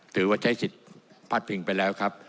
ถือว่าใช้สิทธิ์พลาดพิงไปแล้วครับ